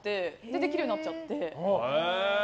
できるようになっちゃって。